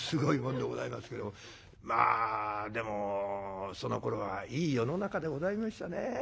まあでもそのころはいい世の中でございましたね。